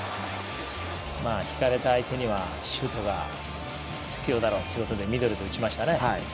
引かれた相手にはシュートが必要だろうとミドルで打ちましたね。